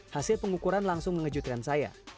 hasil pengukuran langsung mengejutkan saya